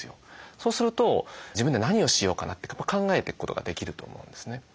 そうすると自分で何をしようかなって考えていくことができると思うんですね。